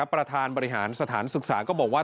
ประธานบริหารสถานศึกษาก็บอกว่า